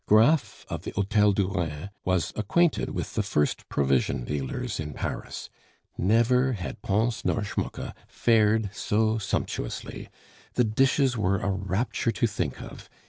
Graff of the Hotel du Rhin was acquainted with the first provision dealers in Paris; never had Pons nor Schmucke fared so sumptuously. The dishes were a rapture to think of!